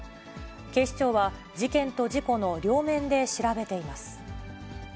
警視庁は、事件と事故の両面で調べています。